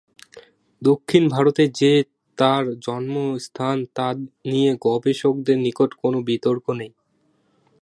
দক্ষিণ ভারতেই যে তার জন্মস্থান তা নিয়ে গবেষকদের নিকট কোনো বিতর্ক নেই।